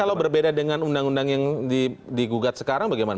kalau berbeda dengan undang undang yang digugat sekarang bagaimana